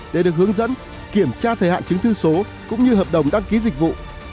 để được hướng dẫn kiểm tra thời hạn chứng thư số cũng như hợp đồng đăng ký dịch vụ